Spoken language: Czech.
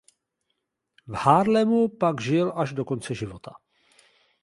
V Haarlemu pak žil až do konce života.